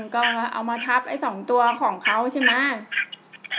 อ๋อครับก็เอามาทับไอ้สองตัวของเขาใช่ไหม